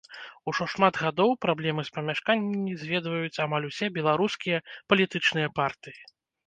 Ужо шмат гадоў праблемы з памяшканнямі зведваюць амаль усе беларускія палітычныя партыі.